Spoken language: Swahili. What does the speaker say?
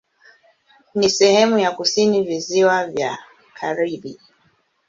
Ni sehemu ya kusini Visiwa vya Karibi.